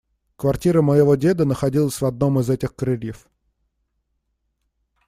Квартира моего деда находилась в одном из этих крыльев.